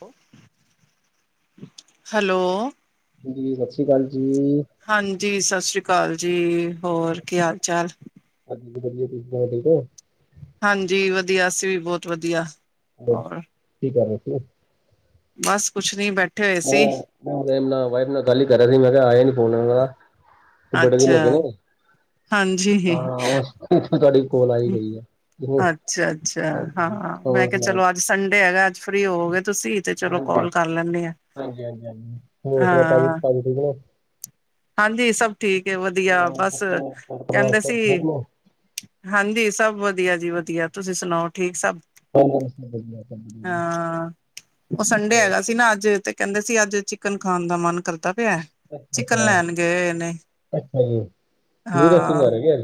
ਓ, hello, ਹਾਂਜੀ ਸਸ ਸ੍ਰੀ ਕਾਲ ਜੀ। ਹਾਂਜੀ ਸਸ ਸ੍ਰੀ ਕਾਲ ਜੀ, ਹੋਰ ਕੀ ਹਾਲ ਚਾਲ। ਹਾਂਜੀ ਜੀ ਵਦੀਆ ਤੁਸੀਂ ਸੁਣਾਓ ਠੀਕ ਓ? ਹਾਂਜੀ ਵਦੀਆ ਅਸੀਂ ਵੀ ਬੋਤ ਵਦੀਆ। ਹੈਲੋ, ਕੀ ਕਰ ਰਹੇ ਸੀਗੇ? ਬਸ ਕੁਛ ਨੀ ਬੈਠ ਹੋ-ਹੋ, ਵੇਲਾ ਵਾਈਫ਼ ਨਾਲ ਗੱਲ ਈ ਕਰ ਰੇਹਾ ਸੀ ਮੈਂ ਕਿਹਾ ਆਯਾ ਨੀ ਫੋਨ ਓਣਾ ਦਾ। ਬੜੇ ਲੋ ਅੱਛਾ ਗਏ ਨੇ, ਆ ਆਵਾਜ਼ ਤੁਆਡੀ। ਹੂ, ਅੱਛਾ-ਅੱਛਾ ਹਾਂ, ਹਾਂਜੀ ਹਾਂ ਮੈਂ ਹੋਰ ਕਿਆ ਸੁਣਾਓ ਚਲੋ ਅੱਜ ਸੰਡੇ ਹੈਗਾ ਅੱਜ ਫ੍ਰੀ ਹੋਗੇ ਤੁਸੀਂ? ਤੇ ਚਲੋ ਹਾਂਜੀ ਕੌਲ ਕਰ ਲੈਂਣੇ ਆਂ, ਹਾਂਜੀ ਹਾਂਜੀ ਹਾਂਜੀ ਹੋਰ ਸੁਣਾਓ ਭਾਜੀ ਹਾਂ। ਭਾਜੀ ਠੀਕ ਨੇ ਹਾਂਜੀ ਸਬ ਠੀਕ ਏ ਵਦੀਆ ਹੋਰ ਬਸ, ਬੱਚੇ ਘਰ ਪਰਿਵਾਰ ਕਹਿੰਦੇ ਸਭ ਸੀ ਠੀਕ ਨੇ ਹਾਂਜੀ ਸਭ ਵਦੀਆ ਜੀ, ਵਦੀਆ ਤੁਸੀਂ ਸੁਣਾਓ ਠੀਕ ਸਭ? ਹਾਂਜੀ ਸਭ ਵਧੀਆ ਸਭ ਵਧੀਆ ਜੀ ਹਾਂ, ‌‌ਓ ਸੰਡੇ ਹੋਰ ਹੈਗਾ ਸੀ ਨਾ ਅੱਜ ਇਥੇ ਕਹਿੰਦੇ ਸੀ ਅੱਜ ਚਿਕਨ ਖਾਣ ਦਾ ਮਨ ਕਰਦਾ ਪਿਆ ਚਿਕਨ ਅੱਛਾ ਲੈਣ ਗਏ ਹੋਏ ਨੇ? ਅੱਛਾ ਜੀ ਨਿਊ ਰੈਸਟੋਰੈਂਟ ਆ ਹਾਂ। ਰਿਹਾ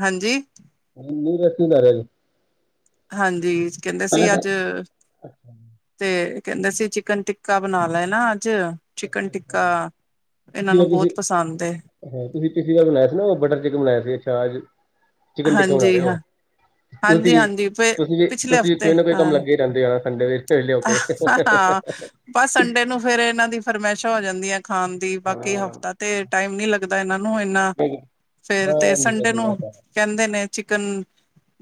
ਹਾਂਜੀ। ਇੰਨੀ ਗਟੀ ਨਾ ਰੇੇਲ। ਹਾਂਜੀ, ਕਹਿੰਦੇ ਸੀ ਤਾਂ ਅੱਜ ਅੱਛਾ ਤੇ, ਕਹਿੰਦੇ ਸੀ ਚਿਕਨ ਟਿੱਕਾ ਬਣਾ ਲੈਣਾ ਅੱਜ। ਚਿਕਨ ਅੱਛਾ ਅੱਛਾ ਟਿੱਕਾ, ਇਨ੍ਹਾਂ ਨੂੰ ਬੋਤ ਪਸੰਦ ਏ। ਹੋ ਤੁਸੀਂ ਪਿਛਲੀ ਵਾਰ ਬਣਾਇਆ ਸੀ ਨਾ ਓ ਬਟਰ ਚਿਕਨ ਬਣਾਇਆ ਸੀ ਅੱਛਾ ਅੱਜ, ਚਿਕਨ ਟਿੱਕਾ ਬਣਾ ਰਹੇ ਹਾਂਜੀ ਹਾਂ ਓ। ਹਾਂਜੀ ਹਾਂਜੀ ਤੁਸੀਂ-ਤੁਸੀਂ ਵੀ ਪਿਛਲੇ ਤੁਸੀਂ ਕੋਈ ਹਫ਼ਤੇ ਨਾ ਕੋਈ ਕੰਮ ਹਾਂ ਲੱਗੇ ਰਹਿੰਦੇ ਹਾ ਸੰਡੇ ਵਿੱਚ। ਫਿਰ ਲੈ ਆਟੇ। ਹਾਂ ਬਸ ਸੰਡੇ ਨੂੰ ਫੇਿਰ ਇਹਨਾਂ ਦੀ ਫਰਮਾਇਸ਼ਾਂ ਹੋ ਜਾਂਦੀਆਂ ਖਾਣ ਦੀ ਹਾਂ, ਬਾਕੀ ਹਫ਼ਤਾ ਤੇ ਟਾਈਮ ਨੀ ਲਗਦਾ ਲਗਦਾ ਇਹਨਾਂ ਨੂੰ ਇੰਨਾ ਨਹੀਂ, ਫੇਰ ਤੇ ਹਾਂਜੀ ਸੰਡੇ ਵਧੀਆ ਨੂੰ ਤਾਂ ਹੈ। ਕਹਿੰਦੇ ਨੇ ਚਿਕਨ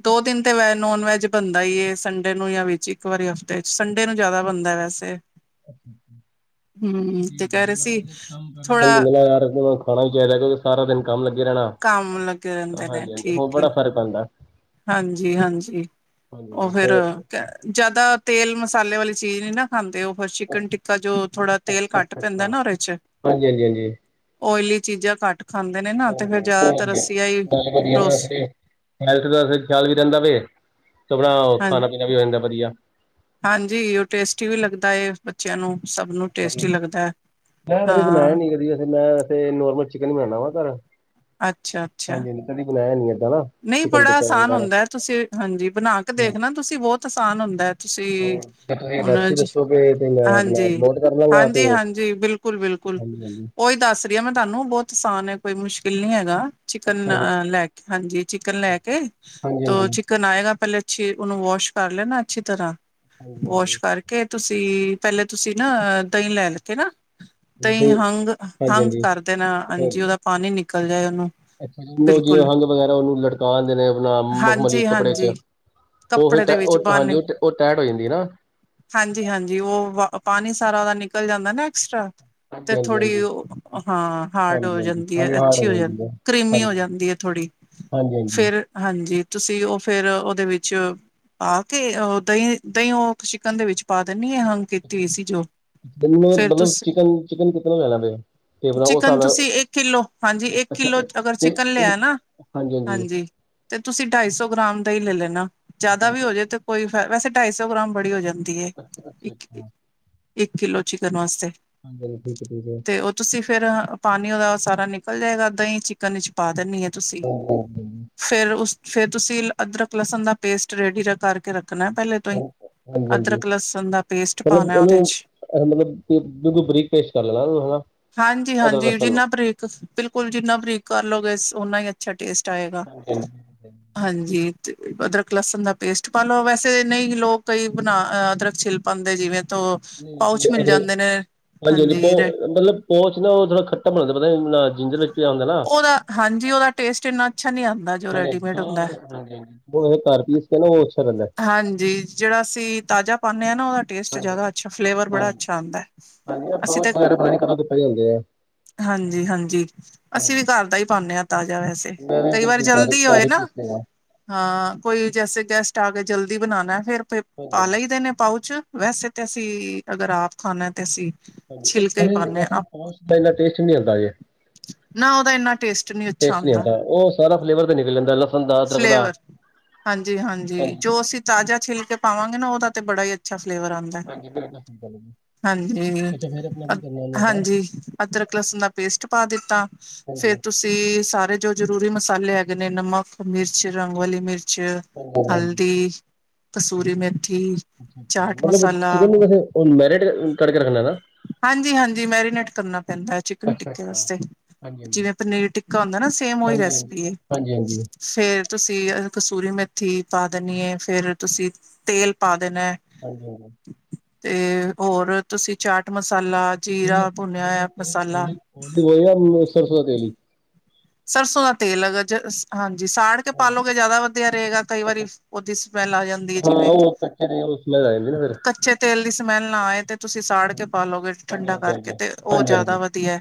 ਦੋ ਦਿਨ ਤੇ ਵੈ ਨੋਨ ਵੈਜ ਬਣਦਾ ਈ ਏ ਸੰਡੇ ਨੂੰ ਜਾਂ ਵਿੱਚ ਇੱਕ ਵਾਰੀ ਤੇ ਸੰਡੇ ਨੂੰ ਜ਼ਿਆਦਾ ਬਣਦਾ ਵੈਸੇ ੱਕ [unintelligible] ਹੂੰ ਤੇ ਕਹਿ ਰਹੇ ਸੀ ਥੋੜਾ ਖਾਣਾ ਵੀ ਚਾਹੀਦਾ ਕਿਉਂਕਿ ਸਾਰਾ ਦਿਨ ਕੰਮ ਲੱਗੇ ਰਹਿਣਾ ਕੰਮ ਲੱਗੇ ਰਹਿੰਦੇ ਨੇ, ਠੀਕ ਏ ਬੰਦਾ ਹਾਂਜੀ- ਹਾਂਜੀ ਉਹ ਹਾਂਜੀ, ਫਿਰ ਹੋਰ ਕ ਜਿਆਦਾ ਤੇਲ ਮਸਾਲੇ ਵਾਲੀ ਚੀਜ਼ ਨੀ ਨਾ ਖਾਂਦੇ ਹੋ ਕੁਛ ਚਿਕਨ ਟਿੱਕਾ ਜੋ ਥੋੜਾ ਤੇਲ ਅੱਛਾ ਘੱਟ ਅੱਛਾ ਪੈਂਦਾ ਅੱਛਾ ਨਾ ਉਹਦੇ 'ਚ ਹਾਂਜੀ ਹਾਂਜੀ ਹਾਂਜੀ ਓਇਲੀ ਚੀਜ਼ਾਂ ਘੱਟ ਖਾਂਦੇ ਨੇ ਨਾ ਤੇ ਫਿਰ ਹਾਂਜੀ, ਚਲੋ ਜ਼ਿਆਦਾਤਰ ਵਧੀਆ। ਅਸੀ ਆਈ ਨਾਲੇ ਵਧੀਆ ਨਾ ਬਰੋਸ ਥੋੜੀ ਹੈਲਥ ਦਾ ਖਿਆਲ ਵੀ ਰਹਿੰਦਾ ਵ ਸ ਆਪਣਾ ਹਾਂ ਖਾਣਾ -ਪੀਣਾ ਵੀ ਹੋ ਜਾਂਦਾ ਵਧੀਆ ਹਾਂਜੀ ਉਹ ਟੇਸਟੀ ਵੀ ਲੱਗਦਾ ਏ ਬੱਚਿਆਂ ਨੂੰ ਸਭ ਨੂੰ ਟੇਸਟੀ ਲੱਗਦਾ ਹੈ, ਹਾਂ ਸੀ ਮੈਂ [unintelligible] ਤੇ ਨੋਰਮਲ ਚਿਕਨ ਬਣਾਉਣਾ ਵਾ ਘਰ ਅੱਛਾ-ਅੱਛਾ। ਹਾਂਜੀ ਹਾਂਜੀ ਕਦੀ ਬਣਾਇਆ ਨੀ ਏਦਾਂ ਨਾ। ਨਹੀ ਚਿਕਨ ਬੜਾ ਟਿੱਕਾ ਆਸਾਨ ਵਗੈਰਾ ਹੁੰਦਾ ਤੁਸੀਂ ਹਾਂਜੀ ਬਣਾ ਕੇ ਹਾਂ, ਦੇਖਣਾ ਤੁਸੀਂ ਬਹੁਤ ਆਸਾਨ ਹੁੰਦਾ। ਤੁਸੀਂ, ਤੇ ਜੇ ਤੁਸੀਂ ਹੁਣ ਰੈਸਪੀ ਜੀ, ਦੱਸੋਗੇ ਤੇ ਮੈਂ ਆਪਣਾ ਹਾਂਜੀ, ਨੋਟ ਕਰ ਲਾਂਗਾ ਤੇ ਹਾਂਜੀ-ਹਾਂਜੀ ਬਿਲ ਬਿਲਕੁਲ-ਬਿਲਕੁਲ। ਹਾਂਜੀ ਹਾਂਜੀ ਉਹੀ ਦੱਸ ਰਹੀ ਆ ਮੈਂ ਤੁਹਾਨੂੰ ਬਹੁਤ ਆਸਾਨ ਐ ਕੋਈ ਮੁਸ਼ਕਿਲ ਨੀ ਹੈਗਾ ਚਿਕਨ ਅੱਛਾ ਜੀ ਲੈ ਕ ਹਾਂਜੀ। ਚਿਕਨ ਲੈ ਕੇ ਹਾਂਜੀ ਤ ਹਾਂਜੀ ਚਿਕਨ ਆਏਗਾ ਪਹਿਲੇ ਅੱਛੀ ਉਹਨੂੰ ਵੋਸ਼ ਕਰ ਲੈਣਾ ਅੱਛੀ ਤਰ੍ਹਾਂ, ਹਾਂਜੀ ਹਾਂਜੀ ਵਾਸ਼ ਕਰਕੇ ਤੁਸੀਂ, ਪਹਿਲੇ ਤੁਸੀਂ ਨਾ ਦਹੀਂ ਲੈ ਕੇ ਨਾ ਦਹੀ ਤੇ ਹੰਗ ਹਾਂਜੀ ਹੰਗ ਕਰ ਦੇਣਾ ਹਾਂਜੀ ਉਹਦਾ ਪਾਣੀ ਨਿਕਲ ਜਾਏ ਉਹਨੂੰ ਅੱਛਾ ਜਨ ਜ ਬਿਲਕੁਲ ਅਹੰਗ ਵਗੈਰਾ ਉਹਨੂੰ ਲਟਕਾਉਣਂਦੇ ਨੇ ਆਪਣਾ ਮਖਮਲੀ ਹਾਂਜੀ ਕੱਪੜੇ ਹਾਂਜੀ ਚ ਉਹ ਫਿਰ ਕੱਪੜੇ ਦੇ ਟ ਵਿੱਚ ਉਹ ਬੰਨ ਹਾਂਜੀ ਉਹ ਉਹ ਟੈਟ ਹੋ ਜਾਂਦੀ ਨਾ ਹਾਂਜੀ-ਹਾਂਜੀ ਉਹ ਪਾਣੀ ਸਾਰਾ ਉਹਦਾ ਨਿਕਲ ਜਾਂਦਾ ਨਾ ਐਕਸਟਰਾ ਹਾਂਜੀ ਤੇ ਹਾਂਜੀ ਥੋੜ੍ਹੀ ਹਾਂਜੀ ਉਹ, ਹਾਂ ਹਾਰਡ ਹਾਂਜੀ ਹੋ ਹਾਂਜੀ ਜਾਂਦੀ ਹਾਂਜੀ ਹੈ, ਹਾਰਡ ਅੱਛੀ ਹੋ ਜਾਂਦੀ ਹੈ ਕਰੀਮੀ ਹੋ ਹਾਂਜੀ ਜਾਂਦੀ ਥੋੜ੍ਹੀ ਹਾਂਜੀ ਹਾਂਜੀ ਫਿਰ, ਹਾਂਜੀ ਤੁਸੀਂ ਉਹ ਫਿਰ ਉਹਦੇ ਵਿੱਚ ਪਾ ਕੇ ਅ ਦਹੀਂ, ਦਹੀਂ ਉਹ ਚਿਕਨ ਦੇ ਵਿੱਚ ਪਾ ਦਿੰਦੀ ਆ ਚਿਕਨ ਮਤਲਬ ਤੁਸੀਂ ਚਿਕਨ, ਚਿਕਨ ਕਿਤਨਾ ਲੈਣਾ ਪਿਆ। ਤੇ ਆਪਣਾ ਉਸ ਚਿਕਨ ਹਿਸਾਬ ਨਾਲ ਤੁਸੀਂ ਇੱਕ ਕਿੱਲੋ, ਹਾਂਜੀ ਇੱਕ ਅੱਛਾ ਕਿੱਲੋ ਅ, ਅਗਰ ਤੇ ਚਿਕਨ ਇਹ ਲਿਆ ਨਾ ਹਾਂਜੀ, ਤੇ ਤੁਸੀਂ ਢਾਈ ਸੌ ਗ੍ਰਾਮ ਦਹੀ ਲੈ ਲੈਣਾ ਜਿਆਦਾ ਵੀ ਪੈਸਾ ਹੋ ਜੇ ਤੇ ਕੋਈ ਫੈ ਵੈਸੇ ਢਾਈ ਸੌ ਗ੍ਰਾਮ ਬੜੀ ਹੋ ਜਾਂਦੀ ਏ। ਅੱਛਾ ਅੱਛਾ ਇੱਕ ਅੱਛਾ ਇੱਕ ਕਿਲੋ ਚਿਕਨ ਵਾਸਤੇ। ਹਾਂਜੀ ਠੀਕ-ਠੀਕ ਐ। ਤੇ ਉਹ ਤੁਸੀਂ ਫੇਰ ਪਾਣੀ ਉਹਦਾ ਸਾਰਾ ਨਿਕਲ ਜਾਏਗਾ ਦਹੀ ਚਿਕਨ ਵਿੱਚ ਪਾ ਦੇਣੀ ਐ ਤੁਸੀਂ। [inaudible] ਫੇਰ ਉਸ ਫੇਰ ਤੁਸੀਂ ਅਦਰਕ, ਲਸਣ ਦਾ ਪੇਸਟ ਰੈਡੀ ਕਰਕੇ ਰੱ ਰਖਣਾ ਪਹਿਲੇ ਤੋਂ ਈ, ਹਾਂਜੀ ਹਾਂਜੀ ਹਾਂਜੀ। ਅਦਰਕ, ਲਸਣ ਦਾ ਪੇਸਟ ਪਾਉਣਾ ਉਹਦੇ 'ਚ। ਅ ਮਤਲਬ ਦੁ ਦੁਬੀ ਬਰੀਕ ਪੇਸਟ ਕਰ ਲੈਣਾ ਹਨਾ, ਹਾਂਜੀ ਅਦਰਕ ਹਾਂਜੀ ਲਸਣ ਨੂੰ। ਜਿੰਨਾ ਬਰੀਕ ਬਿਲਕੁਲ ਜਿੰਨਾ ਬਰੀਕ ਕਰ ਲਓਗੇ ਓਨਾ ਈ ਅੱਛਾ ਟੇਸਟ ਆਏਗਾ। ਹਾਂਜੀ, ਤੇ ਅਦਰਕ, ਲਸਣ ਦਾ ਪੇਸਟ ਪਾ ਲੋ ਵੈਸੇ ਨਹੀ ਲੋਕ ਕਈ ਬਣਾ ਅਦਰਕ ਛਿਲ ਪਾਂਉਦੇ ਜਿਵੇਂ ਤੋਂ ਪਾਊਚ ਮਿਲ ਅਦਰਕ, ਜਾਂਦੇ ਨੇ ਹਾਂਜੀ-ਹਾਂਜੀ ਪੌ ਹਾਂਜੀ ਮਤਲਬ ਉਹ 'ਚ ਨਾ ਉਹ ਖੱਟਾ ਬਣਾਉਦੇ ਜਾਂਦਾ ਪਤਾ ਜਿੰਜਰ ਵਿੱਚ ਪਿਆ ਹੁੰਦਾ ਨਾ। ਉਹਦਾ, ਹਾਂਜੀ ਉਹਦਾ ਟੇਸਟ ਇੰਨਾ ਅੱਛਾ ਨਹੀ ਆਉਂਦਾ। ਹਾਂਜੀ ਰੈਡੀਮੇਡ ਜੋ ਹੁੰਦਾ ਹਾਂਜੀ-ਹਾਂਜੀ ਕਾਰਪੀਸ ਕੇ ਨਾ ਅੱਛਾ ਰਹਿੰਦਾ। ਹਾਂਜੀ, ਜਿਹੜਾ ਅਸੀਂ ਤਾਜ਼ਾ ਪਾਉਣੇ ਆ ਨਾ ਉਹਦਾ ਟੇਸਟ ਜ਼ਿਆਦਾ ਅੱਛਾ ਫਲੇਵਰ ਬੜਾ ਅੱਛਾ ਆਂਉਦਾ ਐ। [unintelligible] ਹਾਂਜੀ-ਹਾਂਜੀ ਅਸੀਂ ਵੀ ਘਰ ਦਾ ਈ ਪਾਂਉਣੇ ਆ ਤਾਜ਼ਾ ਵੈਸ ਤੇ ਮੈਂ ਵੀ ਕਈ ਵਾਰ ਬਿਲਕੁਲ ਘਰ ਜਲਦੀ ਘਰ ਹੋਏ ਹੀ ਨਾ। ਪੀਸ ਲਿਆ ਹਾਂ ਕੋਈ ਜੈਸੇ ਗੈਸਟ ਆ ਗੇ ਜਲਦੀ ਬਣਾਣਾ, ਫੇਰ ਪੇ ਹਾਂਜੀ ਪਾ ਲਈ ਦੇ ਨੇ ਪਾਊਚ। ਵੈਸੇ ਤੇ ਅਸੀਂ, ਅਗਰ ਆਪ ਖਾਣਾ ਤੇ ਅਸੀਂ ਛਿਲਕੇ ਹੀ ਪਾਨੇ ਦਹੀਂ- ਆ ਦਹੀਂ ਟੇਸਟ ਨੀ ਆਂਦਾ ਜੇ। ਨਾ ਉਹਦਾ ਇੰਨਾ ਟੇਸਟ ਅੱਛਾ ਟੇਸਟ ਨੀ ਆਂਦਾ, ਉਹ ਸਾਰਾ ਫਲੇਵਰ ਤੇ ਨਿਕਲ ਜਾਂਦਾ ਲਸਣ ਦਾ, ਅਦਰਕ ਦਾ। ਫਲੇਵਰ ਹਾਂਜੀ-ਹਾਂਜੀ, ਜੋ ਅਸੀਂ ਤਾਜ਼ਾ ਛਿੱਲਕੇ ਪਾਵਾਂਗੇ ਨਾ, ਉਹਦਾ ਤੇ ਬੜਾ ਈ ਅੱਛਾ ਫਲੇਵਰ ਆਂਦ ਹਾਂਜੀ, ਫੇਰ ਨਹੀਂ ਬਣੀ। ਹਾਂਜੀ ਅ ਹਾਂਜੀ ਅਦਰਕ, ਲਸਣ ਦਾ ਪੇਸਟ ਪਾ ਦਿੱਤਾ। [unintelligible] ਫੇਰ ਤੁਸੀਂ ਸਾਰੇ ਜੋ ਜ਼ਰੂਰੀ ਮਸਾਲੇ ਹੈਗੇ ਨੇ, ਨਮਕ, ਮਿਰਚ, ਰੰਗ ਵਾਲੀ ਮਿਰਚ ਹਲਦੀ ਕਸੂਰੀ ਮੇਥੀ, ਚਾਟ ਮਤਲਬ ਮਸਾਲਾ ਚਿਕਨ ਨੂੰ ਵੈਸੇ ਉਹ ਮੈਰਿਟ ਕਰਕੇ ਰੱਖਣਾ ਨਾ ਹਾਂਜੀ- ਹਾਂਜੀ, ਮੈਰੀਨੇਟ ਕਰਨਾ ਪੈਂਦਾ ਐ ਚਿਕਨ ਟਿੱਕੇ ਵਾਸਤੇ। ਜਿਵੇਂ ਪਨੀਰ ਟਿੱਕਾ ਹੁੰਦਾ ਨਾ, ਸੇਮ ਓਹੀ ਰੈਸਪੀ ਏ। ਫੇਰ ਤੁਸੀਂ ਕਸੂਰੀ ਮੇਥੀ ਪਾ ਦੇਣੀ ਏ, ਫੇਰ ਤੁਸੀਂ ਤੇਲ ਪਾ ਦੇਣਾ। ਹਾਂਜੀ- ਹਾਂਜੀ। ਤੇ ਹੋਰ ਤੁਸੀਂ ਚਾਟ ਮਸਾਲਾ, ਜੀਰਾ ਭੁੰਨਿਆ ਹੋਇਆ ਮਸਾਲਾ [inaudible] ਸਰਸੋਂ ਦਾ ਤੇਲ ਹੈਗਾ, ਜ ਹਾਂਜੀ ਸਾੜ ਕੇ ਪਾਲੋਗੇ ਜ਼ਆਦਾ ਵਧੀਆ ਰਹੇਗਾ, ਕਈ ਵਾਰੀ ਉਹਦੀ ਸਮੈਲ ਆ ਜਾਂਦੀ ਏ, ਹਾਂ ਜਿਵੇਂ ਉਹ ਕੱਚੇ ਤੇਲ ਵਿਚ ਕੱਚੇ ਤੇਲ ਦੀ ਸਮੈਲ ਨਾ ਆਏ, ਤੇ ਤੁਸੀਂ ਸਾੜ ਕੇ ਪਾ ਲਓਗੇ, ਠੰਡਾ ਕਰਕੇ ਤੇਲ। ਉਹ ਜਿਆਦਾ ਵਧੀਆ।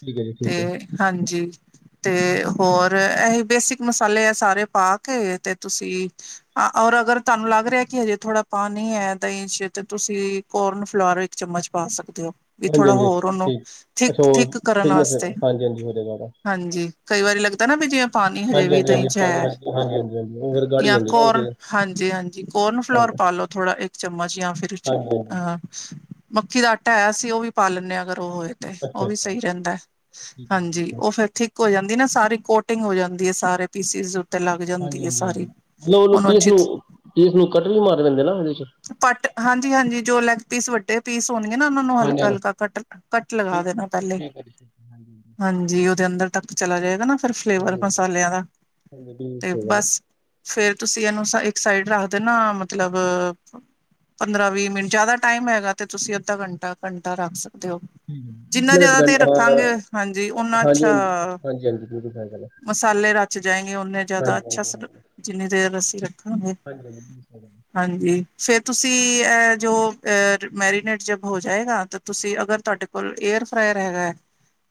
ਠੀਕ ਐ ਜੀ, ਠੀਕ। ਹੈ ਤੇ ਹਾਂਜੀ। ਤੇ ਹੋਰ, ਇਹ ਬੇਸਿਕ ਮਸਾਲੇ ਆ ਸਾਰੇ ਪਾ ਕੇ, ਤੇ ਤੁਸੀਂ ਔਰ ਅਗਰ ਤੁਹਾਨੂੰ ਲੱਗ ਰਿਹਾ ਕਿ ਹਜੇ ਥੋੜਾ ਪਾਣੀ ਐ ਦਹੀਂ ਚ, ਤੇ ਤੁਸੀਂ ਕੋਰਨ ਫਲੋਰ ਚਮਚ ਪਾ ਸਕਦੇ ਓ। ਵੀ ਹਾਂਜੀ ਥੋੜਾ ਹਾਂਜੀ ਹੋਰ ਉਹਨੂੰ ਠੀਕ ਅੱਛਾ ਥਿਕ- ਉਹ ਥਿਕ ਕਰਨ ਥਿਕਨੈਸ ਵਾਸਤੇ, ਹਾਂਜੀ ਹਾਂਜੀ ਹੋ ਜਾਏਗਾ ਉਹਦਾ ਹਾਂਜੀ। ਕਈ ਵਾਰੀ ਲੱਗਦਾ ਨਾ ਵੀ, ਜਿਵੇਂ ਪਾਣੀ ਹਜੇ ਹਾਂਜੀ ਵੀ ਹਾਂਜੀ ਦਹੀਂ ਹਾਂਜੀ ਚ ਪਾਣੀ ਹੈ। ਹਾਂਜੀ ਹਾਂਜੀ- ਹਾਂਜੀ-ਹਾਂਜੀ। ਜਾਂ ਕੋਰਨ, ਹਾਂਜੀ- ਹਾਂਜੀ ਕੋਰਨ ਫਲੋਰ ਪਾ ਲੋ ਥੋੜਾ ਇੱਕ ਚਮਚ ਜਾਂ ਫਿਰ ਹਾਂਜੀ ਹਾਂਜੀ। ਅਹ ਮੱਕੀ ਦਾ ਆਟਾ ਹੈ, ਅਸੀਂ ਉਹ ਵੀ ਪਾ ਲੈਂਨੇ ਹਾਂ, ਅਗਰ ਉਹ ਹੋਏ। ਉਹ ਅੱਛਾ ਵੀ ਅੱਛਾ ਸਹੀ ਰਹਿੰਦਾ, ਠੀਕ ਹੈ ਜੀ, ਹਾਂਜੀ ਠੀਕ ਹੈ ਉਹ ਫਿਰ ਥਿਕ ਹੋ ਜਾਂਦੀ ਨਾ ਸਾਰੀ, ਕੋਟਿੰਗ ਹੋ ਜਾਂਦੀ ਐ ਸਾਰੇ ਪੀਸਿਜ਼। ਹਾਂਜੀ- ਹਾਂਜੀ- ਹਾਂਜੀ, ਗੋਲ ਰੋਟੀਆਂ ਅੱਛੀ ਉਹਨੂੰ ਪੀਸ ਨੂੰ ਕੱਟਕੇ ਵੀ ਮਾਰ ਦਿੰਦੇ ਨਾ ਉਹਦੇ ਚ। ਕੱਟ ਹਾਂਜੀ- ਹਾਂਜੀ ਜੋ ਲੈੱਗ ਪੀਸ ਵੱਡੇ ਪੀਸ ਹੋਣਗੇ ਨਾ, ਉਹਨਾਂ ਨੂੰ ਹਲਕਾ- ਹਲਕਾ, ਕੱਟ- ਕੱਟ ਲਗਾ ਦੇਣਾ ਪਹਿਲੇ। ਅਭੀਸ਼ੇਕ, ਹਾਂਜੀ-ਹਾਂਜੀ। ਹਾਂਜੀ ਉਹਦੇ ਅੰਦਰ ਤੱਕ ਚਲਾ ਜਾਏਗਾ ਨਾ ਫਿਰ ਫਲੇਵਰ ਹਾਂਜੀ ਮਸਾਲਿਆਂ ਦਾ, ਹਾਂਜੀ ਬਿਲਕੁਲ ਤੇ ਸਹੀ ਗੱਲ ਹੈ ਬਸ ਫੇਰ ਤੁਸੀਂ ਇਹਨੂੰ ਇੱਕ ਸਾਈਡ ਰੱਖ ਦੇ ਨਾ ਮਤਲਬ ਪੰਦਰਾਂ- ਵੀਹ ਮਿੰਟ, ਜਿਆਦਾ ਟਾਈਮ ਹੈਗਾ ਤੇ ਤੁਸੀਂ ਅੱਧਾ ਘੰਟਾ- ਘੰਟਾ ਰੱਖ ਸਕਦੇ ਹੋ। ਜਿੰਨਾ ਆਪਣੇ ਤੇ ਜਿਆਦਾ ਦੇਰ ਹਾਂ ਰੱਖਾਂਗੇ, ਹਾਂਜੀ ਓਨਾ ਹਾਂਜੀ ਅੱਛਾ ਹਾਂਜੀ- ਹਾਂਜੀ, ਜ਼ਰੂਰ ਸਾਫ ਗੱਲ ਐ। ਮਸਾਲੇ ਰਚ ਜਾਏਗੇ ਓਨੇ। ਜ਼ਿਆਦਾ ਅੱਛਾ ਸਰ, ਹਾਂਜੀ ਜਿੰਨੀ ਦੇਰ ਅਸੀਂ ਰੱਖਾਂਗੇ। ਹਾਂਜੀ ਹਾਂਜੀ ਬਿਲਕੁਲ ਸਹੀ ਗੱਲ ਹਾਂਜੀ ਫੇਰ ਤੁਸੀਂ, ਅ ਜੋ ਅ ਮੈਰੀਨੇਟ ਜਬ ਹੋ ਜਾਏਗਾ ਤੁਸੀਂ ਅਗਰ ਤੁਹਾਡੇ ਕੋਲ ਏਅਰ ਫਰਾਾਇਰ ਹੈਗਾ,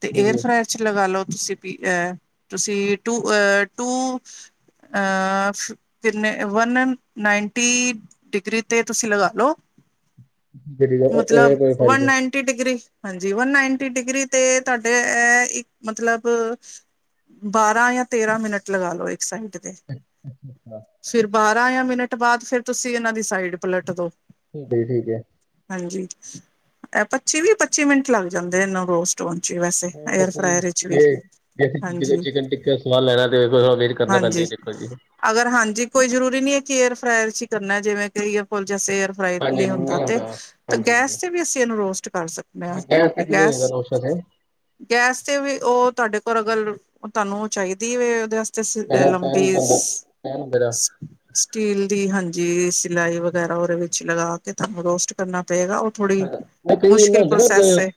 ਤੇ ਏਅਰ ਹਾਂਜੀ ਫਰਾਾਇਰ ਚ ਲਗਾ ਲੋ ਤੁਸੀਂ। ਵੀ ਅਹ ਤੁਸੀਂ ਟੂ ਅਹ ਟੂ ਅ ਕਿੰਨੇ ਵੰਨ ਨਾਈਨ ਨਾਈਨਟੀ ਡਿਗਰੀ ਤੇ ਤੁਸੀਂ ਲਗਾ ਲੋ ਮਤਲਬ ਵਨ ਨਾਈਨਟੀ ਡਿਗਰੀ ਹਾਂਜੀ ਵਨ ਨਾਈਨਟੀ ਡਿਗਰੀ ਤੇ ਤੁਹਾਡੇ ਇੱਕ ਮਤਲਬ ਬਾਰਾਂ ਜਾਂ ਤੇਰਾਂ ਮਿੰਟ ਲਗਾ ਲੋ ਇੱਕ ਸਾਈਡ ਤੇ ਅੱਛਾ ਅੱਛਾ ਫਿਰ ਬਾਰਾਂ ਜਾਂ ਮਿੰਟ ਬਾਅਦ ਫਿਰ ਤੁਸੀਂ ਇਹਨਾਂ ਦੀ ਸਾਈਡ ਪਲਟ ਦੋ ਠੀਕ ਠੀਕ ਹੈ। ਹਾਂਜੀ ਇਹ ਪੱਚੀ ਵੀਹ ਪੱਚੀ ਮਿੰਟ ਲੱਗ ਜਾਂਦੇ ਇਹਨੂੰ ਰੋਜ ਟੋਨ ਚ ਵੈਸੇ ਹਾਂ ਏਅਰ ਦੇਖੋ ਜੀ ਫਰਾਇਰ ਵਿੱਚ ਵੀ ਜੇ ਹਾਂਜੀ ਚਿਕਨ ਟਿੱਕਾ ਸਵਾਦ ਲੈਣਾ ਤੇ ਵੇਟ ਕਰਨਾ ਪੈਂਦਾ ਹਾਂਜੀ ਜ ਦੇਖੋ ਜੀ ਅਗਰ ਹਾਂਜੀ ਕੋਈ ਜ਼ਰੂਰੀ ਨੀ ਹੈ ਕਿ ਏਅਰ ਫਰਾਈਰ ਅਸੀ ਕਰਨਾ ਜਿਵੇਂ ਕਿ ਫੁੱਲ ਜਾਂ ਸੇਅਰ ਫਰਾਈ ਨਹੀਂ ਹੁੰਦਾ ਤੇ ਤਾਂ ਗੈਸ ਤੇ ਵੀ ਅਸੀਂ ਇਹਨੂੰ ਰੋਸਟ ਕਰ ਸਕਦੇ ਤੇ ਹਾਂ ਕਿਵੇਂ ਗੈਸ ਹੋਏਗਾ ਰੋਸ਼ਨ ਹੈ ਗੈਸ ਤੇ ਵੀ ਉਹ ਤੁਹਾਡੇ ਕੋਲ ਅਗਰ ਤੁਹਾਨੂੰ ਚਾਹੀਦੀ ਵੈ ਸੀ ਲੰਬੀ ਪੈਨ ਹੁੰਦਾ ਦਾ ਸਟੀਲ ਦੀ ਹਾਂਜੀ ਸਿਲਾਈ ਵਗੈਰਾ ਉਹਦੇ ਵਿੱਚ ਲਗਾ ਕੇ ਤੁਹਾਨੂੰ ਰੋਸਟ ਕਰਨਾ ਪਏਗਾ ਅੱਛਾ ਥੋੜ੍ਹੀ ਅੱ ਮੈਂ ਕਈ ਮੁਸ਼ਕਿਲ ਹੁੰਦੇ ਨਾ ਇੱਕ ਪ੍ਰੋਸੈਸ ਏ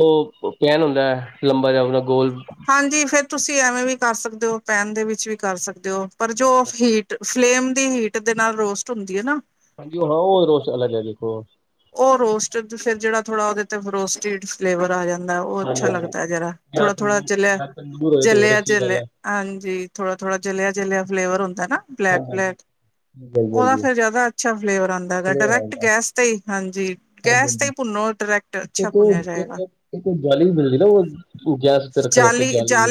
ਉਹ ਪੈਨ ਹੁੰਦਾ ਹੈ ਲੰਬਾ ਜਿਹਾ ਆਪਦਾ ਗੋਲ ਹਾਂਜੀ ਫੇਰ ਤੁਸੀਂ ਐਵੇਂ ਵੀ ਕਰ ਸਕਦੇ ਹੋ ਪੈਨ ਦੇ ਵਿੱਚ ਵੀ ਕਰ ਸਕਦੇ ਹੋ ਪਰ ਜੋ ਹੀਟ ਫਲੇਮ ਦੀ ਹੀਟ ਦੇ ਨਾਲ ਰੋਸਟ ਹੁੰਦੀ ਹੈ ਨਾ ਹਾਂਜੀ ਉਹ ਹਾਂ ਉਹ ਰੋਸ ਅਲਗ ਦੇਖੋ ਉਹ ਰੋਸਟ ਫਿਰ ਜਿਹੜਾ ਥੋੜਾ ਉਹਦੇ ਤੇ ਰੋਸਟ ਫਲੇਵਰ ਆ ਜਾਂਦਾ ਉਹ ਅੱਛਾ ਲੱਗਦਾ ਹੈ। ਜਿਹੜਾ ਥੋੜਾ ਜਲਿਆ ਯਾਰ ਤੰਦੂਰ ਹੋਏ ਤਾਂ ਹੋਰ ਜਲਿਆ ਅੱਛੀ ਗੱਲ ਜਲਿਆ ਹੈ ਹਾਂਜੀ ਥੋੜਾ ਥੋੜਾ ਜਲਿਆ ਜਲਿਆ ਫਲੇਵਰ ਹੁੰਦਾ ਨਾ ਬਲੈਕ ਬਲੈਕ ਉਹਦਾ ਫੇਰ ਜ਼ਿਆਦਾ ਅੱਛਾ ਫਲੇਵਰ ਆਉਂਦਾ ਹੈਗਾ ਡਾਇਰੈਕਟ ਗੈਸ ਤੇ ਹਾਂਜੀ ਗੈਸ ਤੇ ਭੁੰਨੋ ਡਾਇਰੈਕਟ ਅੱਛਾ ਇੱਕ ਭੁੰਨਿਆ ਉਹ ਜਾਏਗਾ ਇੱਕ ਜਾਲੀ ਵੀ ਮਿਲਦੀ ਨਾ ਉਹ ਗੈਸ ਤੇ ਰੱਖਣਤੇ ਜਾਲੀ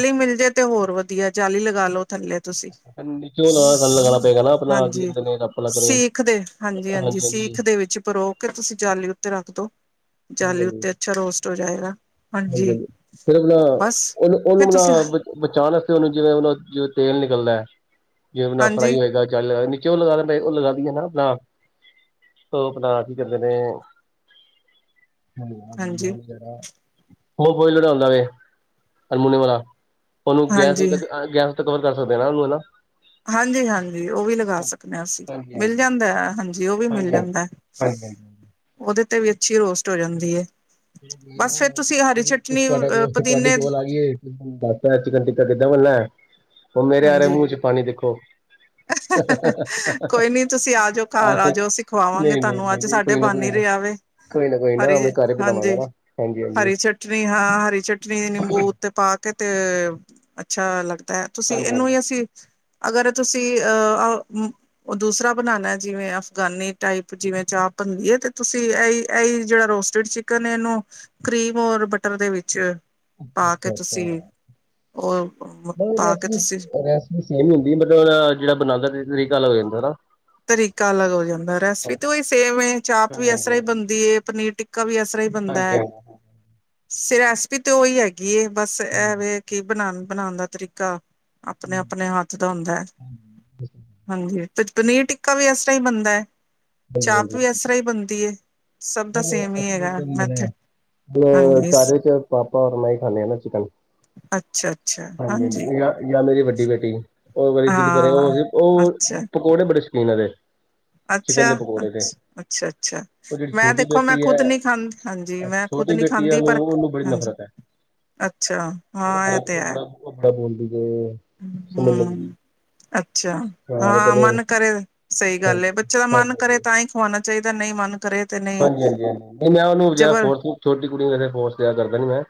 ਤੇ ਹੋਰ ਵਧੀਆ ਜਾਲੀ ਲਗਾ ਲੋ ਥੱਲੇ ਤੁਸੀਂ ਨੀਚੇ ਉਹ ਲਗਾ ਲਗਾਉਣਾ ਪਏਗਾ ਨਾ ਆਪਣਾ ਕੀ ਹਾਂਜੀ ਕਹਿੰਦੇ ਨੇ ਰੱਪ ਲੱਗ ਰਿਹਾ ਸਿੱਖਦੇ ਹਾਂਜੀ ਹਾਂਜੀ ਸਿੱਖ ਦੇ ਵਿੱਚ ਪਰੋ ਤੁਸੀਂ ਜਾਲੀ ਉੱਤੇ ਰੱਖਦੋ ਜਾਲੀ ਉੱਤੇ ਅੱਛਾ ਰੋਸਟ ਹੋ ਜਾਏਗਾ ਹਾਂਜੀ। ਫਿਰ ਬ ਨਾ ਬਸ ਉਹਨੂੰ ਫਿਰ ਉਹਨੂੰ ਤੁਸੀਂ ਬ ਬਚਾਉਣ ਵਾਸਤੇ ਉਹਨੂੰ ਜਿਵੇਂ ਉਹਨ ਜਿਵੇ ਤੇਲ ਨਿਕਲਦਾ ਹੈ। ਜਿ ਬਿਨਾ ਹਾਂਜੀ ਫਰਾਈ ਹੋਏਗਾ ਚ ਨੀਚੇ ਉਹ ਲਗਾ ਦਿੰਦਾ ਉਹ ਲਗਾਦੀ ਨਾ ਬ ਉਹ ਆਪਣਾ ਕੀ ਕਰਦੇ ਨੇ ਹਾਂਜੀ ਮ ਫੋਈ ਲੜਾਉਂਦਾ ਵੇ ਅਰਮੋਨੀਅਮ ਵਾਲਾ ਉਹਨੂੰ ਗੈਸ ਹਾਂਜੀ ਗੈਸ ਕਵਰ ਕਰ ਸਕਦੇ ਨਾ ਉਹਨੂੰ ਹਨਾ ਹਾਂਜੀ ਹਾਂਜੀ ਉਹ ਵੀ ਲਗਾ ਸਕਦੇ ਹਾਂ ਅਸੀਂ ਮਿਲ ਜਾਂਦਾ ਹਾਂਜੀ ਜ ਉਹ ਵੀ ਮਿਲ ਜਾਂਦਾ ਉਹਦੇ ਤੇ ਵੀ ਅੱਛੀ ਰੋਸਟ ਹੋ ਜਾਂਦੀ ਹੈ। ਚਲੋ ਕੋਈ ਨਾ ਬਸ ਫਿਰ ਹਰੀ ਤੁਸੀਂ ਚਟਨੀ ਤੁਹਾਡਾ ਅ ਕੋਲ ਤੁਹਾਡੇ ਪੁਦੀਨੇ ਦੀ ਕੋਲ ਆ ਗਈ ਏ ਚਿਕਨ ਟਿੱਕਾ ਕਿੱਦਾਂ ਬਨ ਨਾ ਉਹ ਮੇਰੇ ਆਰੇ ਹਾਂਜੀ ਮੂੰਹ ਚ ਪਾਣੀ ਦੇਖੋ ਕੋਈ ਨੀ ਤੁਸੀਂ ਆਜਓ ਘਰ ਆ ਜਾਓ ਸਿਖਵਾਵਾਂਗੇ ਨਹੀਂ ਨਹੀਂ ਤੁਹਾਨੂੰ ਨਹੀਂ ਅੱਜ ਨਹੀਂ ਸਾਡੇ ਡੇ ਕੋਈ ਨਾ ਬਣ ਕੋਈ ਨੀ ਰਿਹਾ ਵ ਕੋਈ ਨਾ ਕੋਈ ਨਾਂ ਘਰ ਪਲਾਵਾਂਗੇ ਹਾਂਜੀ ਹਾਂਜੀ ਹਰੀ ਚਟਨੀ ਹਾਂ ਹਰੀ ਚਟਨੀ ਦੀ ਨਿੰਬੂ ਉੱਤੇ ਪਾ ਕੇ ਤੇ ਅੱਛਾ ਲੱਗਦਾ ਹੈ। ਤੁਸੀਂ ਇਹਨੂੰ ਹੀ ਅਸੀਂ ਅਗਰ ਤੁਸੀਂ ਅਹ ਉਹ ਦੂਸਰਾ ਬਣਾਨਣਾ ਜਿਵੇਂ ਅਫਗਾਨੀ ਟਾਈਪ ਜਿਵੇਂ ਚਾਹ ਬਣਦੀ ਹੈ ਤੇ ਤੁਸੀਂ ਜਿਹੜਾ ਰੋਸਟ ਜਿਹੜੀ ਚਿਕਨ ਇਹਨੂੰ ਕਰੀਮ ਔਰ ਬਟਰ ਦੇ ਵਿੱਚ ਪਾ ਕੇ ਅੱਛਾ ਅੱਛਾ ਤੁਸੀਂ ਉਹ ਪਾ ਕੇ ਤੁਸੀਂ ਸੇ ਹੁੰਦੀ ਮਤਲਬ ਜਿਹੜਾ ਬਣਾਉਦਾ ਤਰੀਕਾ ਅੱਗ ਹੋ ਜਾਂਦਾ ਤਰੀਕਾ ਅਲੱਗ ਹੋ ਜਾਂਦਾ ਰੈਸਪੀ ਤੇ ਉਹੀ ਸੇਮ ਚਾਪ ਵੀ ਇਸ ਤਰ੍ਹਾਂ ਹੀ ਬਣਦੀ ਹੈ ਪਨੀਰ ਟਿੱਕਾ ਵੀ ਇਸ ਤਰ੍ਹਾਂ ਹੀ ਬੰਦਾ ਹੈ ਹਾਂਜੀ ਸ ਰੈਸਪੀ ਤੇ ਉਹੀ ਹੈਗੀ ਬਸ ਐਵੇ ਕੀ ਬਣਾ ਬਣਾਉਣ ਦਾ ਤਰੀਕਾ ਆਪਣੇ ਆਪਣੇ ਹੱਥ ਦਾ ਹੁੰਦਾ ਹੈ। ਹਾਂਜੀ ਤੇ ਪਨੀਰ ਟਿੱਕਾ ਵੀ ਇਸ ਤਰ੍ਹਾਂ ਹੀ ਬਣਦਾ ਹੈ ਚਾਪ ਵੀ ਇਸ ਤਰ੍ਹਾਂ ਹੀ ਬਣਦੀ ਹੈ। ਸਭ ਦਾ ਸੇਮ ਈ ਹੈਗਾ ਮੈਥਡ। [unintelligible] ਹਾਂਜੀ ਸਾਰੇ 'ਚ ਪਾਪਾ ਔਰ ਮੈਂ ਈ ਖਾਂਦੇ ਹਾ ਨਾ ਚਿਕਨ। ਅੱਛਾ-ਅੱਛਾ, ਹਾਂਜੀ। ਯਾ ਮੇਰੀ ਵੱਡੀ ਬੇਟੀ, ਓ ਕਦੀ ਦਿਲ ਕਰੇ ਓ ਹਾਂ ਵੀ, ਓ ਪਕੌੜੇ ਬੜੇ ਸ਼ੌਕੀਨ ਓਦੇ। ਅੱਛਾ, ਅੱਛ, ਅੱਛਾ-ਅੱਛਾ, ਉਹ ਜਿਹੜੀ ਮੈਂ ਮੈਂ ਛੋਟੀ ਦੇਖੋ ਮੈਂ ਬੇਟੀ ਖੁਦ ਹੈ ਨੀ ਖਾਂਦੀ, ਹਾਂਜੀ ਮੈਂ ਖੁਦ ਛੋਟੀ ਨੀ ਬੇਟੀ ਹੈ ਖਾਂਦੀ ਉਹਨੂੰ ਪਰ ਉਹਨੂੰ ਬੜੀ ਹਾਂਜੀ ਨਫ਼ਰਤ ਹੈ ਅੱਛਾ, ਹਾਂ ਐ ਤੇ ਹੈ। [unintelligible] ਸਮਝ ਲੱਗਦੀ ਹੂੰ। ਅੱਛਾ ਉਹ ਹਾਂ, ਕਹਿੰਦੇ ਮਨ ਕਰੇ ਸਹੀ ਗੱਲ ਏ ਹਾਂਜੀ ਹਾਂਜੀ ਬੱਚੇ ਦਾ ਮਨ ਹਾਂਜੀ ਕਰੇ ਤਾਂ ਈ ਹੋਨਾ ਚਾਈਦਾ ਨਈ ਮਨ ਕਰੇ ਤੇ ਨਹੀਂ ਹਾਂਜੀ, ਹਾਂਜੀ, ਹਾਂਜੀ ਨਹੀਂ ਮੈਂ ਓਨੂੰ ਜ਼ਿਆਦਾ ਜਬਰ ਫੋਰਸ, ਛੋਟੀ ਕੁੜੀ ਫੋਰਸ ਜਾਦਾ ਕਰਦਾ ਨੀ ਮੈਂ।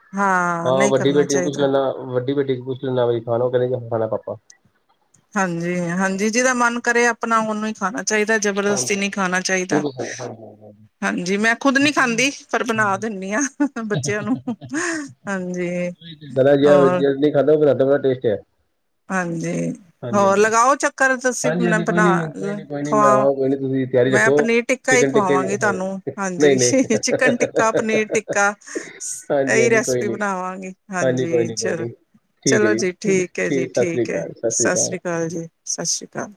ਹਾਂ ਨਹੀਂ ਵੱਡੀ ਕਰਨਾ ਬੇਟੀ ਨੂੰ ਪੁੱਛ ਚਾਹੀਦਾ ਲੈਂਨਾ, ਵੱਡੀ ਬੇਟੀ ਨੂੰ ਪੁੱਛ ਲੈਂਨਾ ਬਈ ਖਾਨਾ ਕੇ ਨਈ ਖਾਨਾ, ਹਾਂ ਪਾਪਾ। ਹਾਂਜੀ-ਹਾਂਜੀ, ਜਿਦਾ ਮਨ ਕਰੇ ਆਪਨਾਂ ਓਨੂੰ ਹੀ ਖਾਨਾ ਚਾਈਦਾ, ਜਬਰਦਸਤੀ ਨੀ ਖਾਨਾ ਚਾਈਦਾ। ਹਾਂਜੀ, ਮੈਂ ਖੁਦ ਨੀ ਖਾਂਦੀ ਪਰ ਬਨਾ ਦਿੰਨੀ ਆਂ ਬੱਚਿਆਂ ਨੂੰ। ਹਾਂਜੀ ਤੁਸੀ ਬਨਾ ਯਾ ਹੋਰ ਨੀ ਖਾਧਾ ਤੁਆਡੇ ਹੱਥ ਦਾ ਬੜਾ ਟੇਸਟ ਏ। ਹਾਂਜੀ, ਹੋਰ ਲਗਾਓ ਚੱਕ ਘਰ ਤੁਸੀਂ ਹਾਂਜੀ, ਬਨਾਂ ਹਾਂਜੀ ਕੋਈ ਨੀ ਕੋਈ ਨੀ ਕੋਈ ਨੀ ਮੈਂ ਖਵਾ ਆਵਾਂਗਾ ਕੋਈ ਨੀ ਤੁਸੀਂ ਤਿਆਰੀ ਮੈਂ ਰੱਖੋ। ਪਨੀਰ ਟਿੱਕਾ ਈ ਚਿਕਨ ਟਿੱਕੇ ਦੀ ਖਵਾਵਾਂਗੀ ਹਾਂ, ਤੁਹਾਨੂੰ। ਨਹੀਂ, ਨਹੀਂ ਹਾਂਜੀ, ਚਿਕਨ ਟਿੱਕਾ, ਪਨੀਰ ਟਿੱਕਾ ਹਾਂਜੀ, ਏਈ ਹਾਂਜੀ ਕੋਈ ਰੈਸਪੀ ਨੀ ਬਨਾਵਾਂਗੀ। ਕੋਈ ਹਾਂਜੀ, ਨੀ ਕੋਈ ਚਲ ਨੀ ਚਲੋ ਜੀ ਠੀਕ ਐ ਜੀ, ਠੀਕ ਏ, ਸਤਿ ਸ੍ਰੀ ਅਕਾਲ ਜੀ, ਸਤਿ ਸ਼੍ਰੀ ਅਕਾਲ।